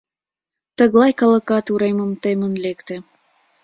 Тыглай калыкат уремым темын лекте.